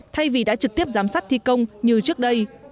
thay vì đã trực tiếp giám sát thi công như trước đây